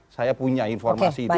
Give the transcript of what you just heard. saya punya informasi itu